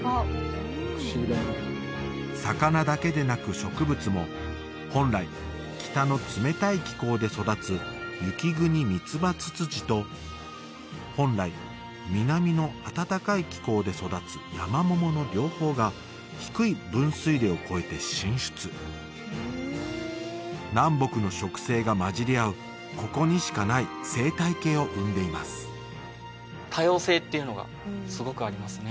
魚だけでなく植物も本来北の冷たい気候で育つユキグニミツバツツジと本来南の暖かい気候で育つヤマモモの両方が低い分水嶺を越えて進出南北の植生が混じり合うここにしかない生態系を生んでいます多様性っていうのがすごくありますね